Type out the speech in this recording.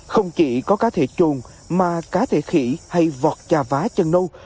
không chỉ có cá thể trồn mà cá thể khỉ hay vọt chà vá chân nâu